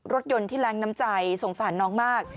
รถยนต์ที่แรงน้ำใจสงสารน้องมาก